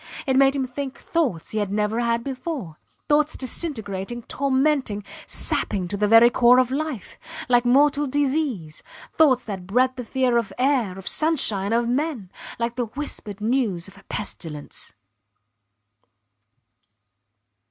It made him think thoughts he had never had before; thoughts disintegrating, tormenting, sapping to the very core of life like mortal disease; thoughts that bred the fear of air, of sunshine, of men like the whispered news of a pestilence.